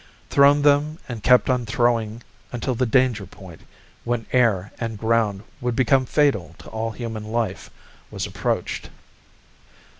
Thrown them and kept on throwing until the danger point, where air and ground would become fatal to all human life, was approached.